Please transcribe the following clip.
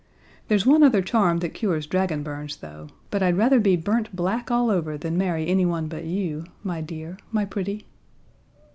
There's one other charm that cures dragon burns, though; but I'd rather be burnt black all over than marry anyone but you, my dear, my pretty."